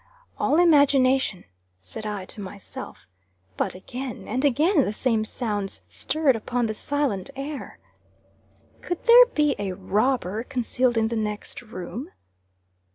"All imagination," said I to myself. But again and again the same sounds stirred upon the silent air. "Could there be a robber concealed in the next room?"